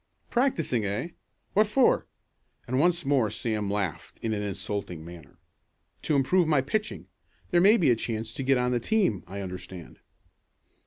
"Practicing, eh? What for?" and once more Sam laughed in an insulting manner. "To improve my pitching. There may be a chance to get on the team, I understand."